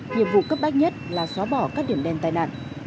nhiệm vụ cấp bách nhất là xóa bỏ các điểm đen tai nạn